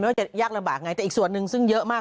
ว่าจะยากลำบากไงแต่อีกส่วนหนึ่งซึ่งเยอะมาก